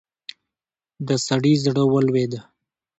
د سړي زړه ولوېد.